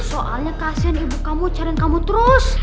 soalnya kasihan ibu kamu cariin kamu terus